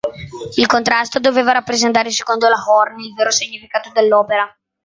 Il contrasto doveva rappresentare, secondo la Horn, il vero significato dell'opera.